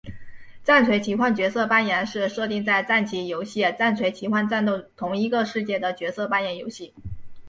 战锤奇幻角色扮演是设定在战棋游戏战锤奇幻战斗同一个世界的角色扮演游戏。